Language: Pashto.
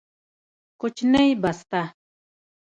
کوچنۍ بسته